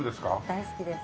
大好きです。